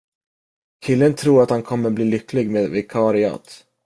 Killen tror att han kommer bli lycklig med ett vikariat.